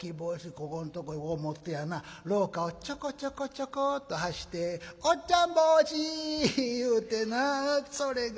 ここんとこへ持ってやな廊下をちょこちょこちょこっと走って『おっちゃん帽子』言うてなそれがかいらしいてなあ。